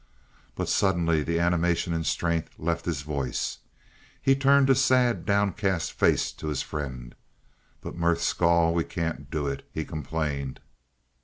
But suddenly the animation and strength left his voice. He turned a sad, downcast face to his friend. "But Merth Skahl, we can't do it," he complained.